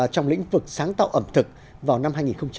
trong lĩnh vực sáng tạo ẩm thực vào năm hai nghìn hai mươi